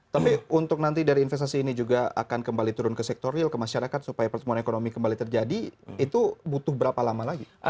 tapi untuk nanti dari investasi ini juga akan kembali turun ke sektor real ke masyarakat supaya pertumbuhan ekonomi kembali terjadi itu butuh berapa lama lagi